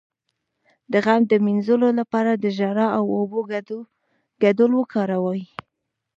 د غم د مینځلو لپاره د ژړا او اوبو ګډول وکاروئ